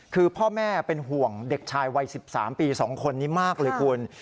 คือพ่อแม่เป็นห่วงเด็กชายวัย๑๓ปี๒คนนี้มากเลยคุณ